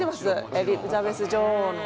エリザベス女王の。